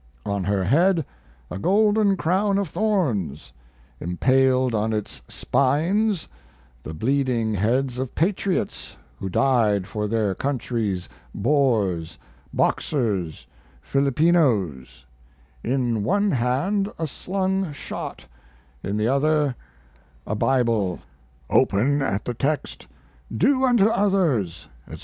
On her head a golden crown of thorns; impaled on its spines the bleeding heads of patriots who died for their countries Boers, Boxers, Filipinos; in one hand a slung shot, in the other a Bible, open at the text "Do unto others," etc.